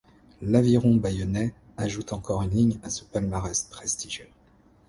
L'Aviron bayonnais ajoute encore une ligne à ce palmarès prestigieux.